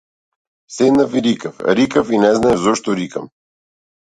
Седнав и рикав, рикав и не знаев зошто рикам.